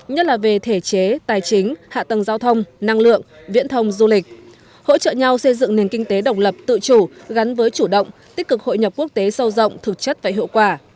nhất là về thể chế tài chính hạ tầng giao thông năng lượng viễn thông du lịch hỗ trợ nhau xây dựng nền kinh tế độc lập tự chủ gắn với chủ động tích cực hội nhập quốc tế sâu rộng thực chất và hiệu quả